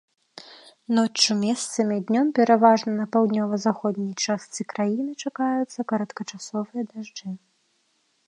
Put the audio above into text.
Ноччу месцамі, днём пераважна па паўднёва-заходняй частцы краіны чакаюцца кароткачасовыя дажджы.